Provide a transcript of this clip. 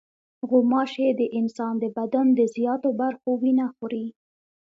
غوماشې د انسان د بدن د زیاتو برخو وینه خوري.